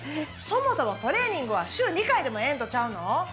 そもそもトレーニングは週２回でもええんとちゃうの？